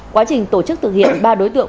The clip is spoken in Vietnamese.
quá trình tổ chức thực hiện ba đối tượng